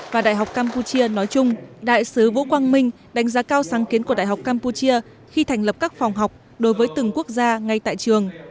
và đại học campuchia nói chung đại sứ vũ quang minh đánh giá cao sáng kiến của đại học campuchia khi thành lập các phòng học đối với từng quốc gia ngay tại trường